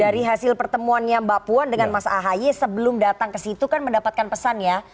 dari hasil pertemuannya mbak puan dengan mas ahaye sebelum datang ke situ kan mendapatkan pesan ya